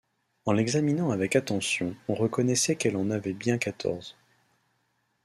En l’examinant avec attention, on reconnaissait qu’elle en avait bien quatorze.